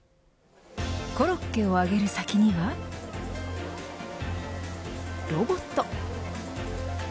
コロッケを揚げる先にはロボット。